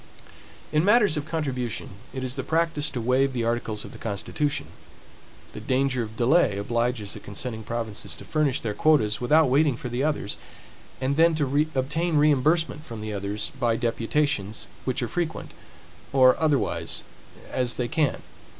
In matters of contribution, it is the practice to waive the articles of the constitution. The danger of delay obliges the consenting provinces to furnish their quotas, without waiting for the others; and then to obtain reimbursement from the others, by deputations, which are frequent, or otherwise, as they can.